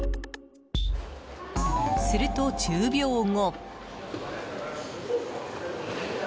すると、１０秒後。